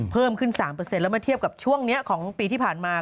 เพิ่มขึ้น๓แล้วมาเทียบกับช่วงนี้ของปีที่ผ่านมา